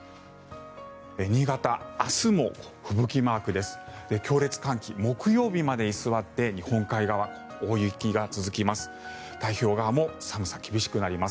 新潟、明日も吹雪マークです。